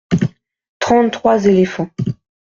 Trente-trois éléphants.